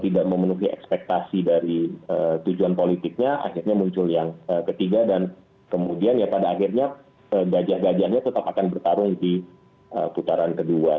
tidak memenuhi ekspektasi dari tujuan politiknya akhirnya muncul yang ketiga dan kemudian ya pada akhirnya gajah gajahnya tetap akan bertarung di putaran kedua